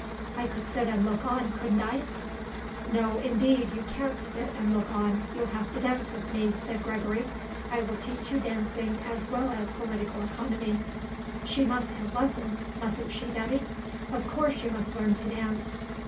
I could sit and look on, couldn't I?" "No, indeed; you can't sit and look on; you'll have to dance with me," said Gregory. "I will teach you dancing as well as Political Economy. She must have lessons, mustn't she, Betty? Of course you must learn to dance."